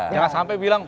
jangan sampai bilang